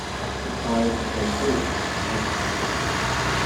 The tires became bald from heavy usage.